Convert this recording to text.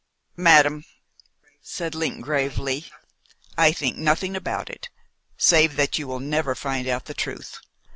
"Madam," said Link gravely, "I think nothing about it, save that you will never find out the truth.